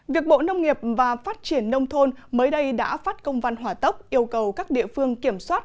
việc bộ nông nghiệp và phát triển nông thôn mới đây đã phát công văn hỏa tốc yêu cầu các địa phương kiểm soát